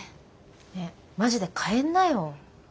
ねえマジで帰んなよ。